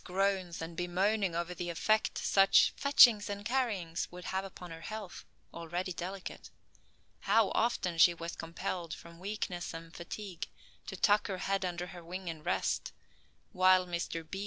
groans and bemoaning over the effect, such "fetchings and carryings" would have upon her health, already delicate. How often she was compelled from weakness and fatigue to tuck her head under her wing and rest, while Mr. B.